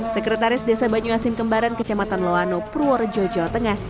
sekretaris desa banyu asin kembaran kecamatan loano purworejo jawa tengah